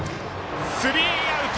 スリーアウト。